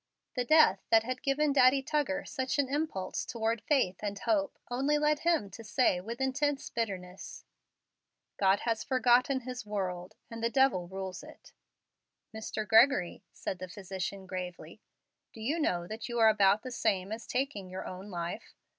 The death that had given Daddy Tuggar such an impulse toward faith and hope only led him to say with intense bitterness, "God has forgotten His world, and the devil rules it." "Mr. Gregory," said the physician, gravely, "do you know that you are about the same as taking your own life?